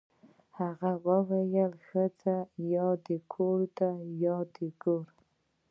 هغه ویل ښځه یا د کور ده یا د ګور